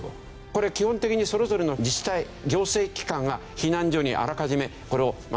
これ基本的にそれぞれの自治体行政機関が避難所にあらかじめこれを準備してます。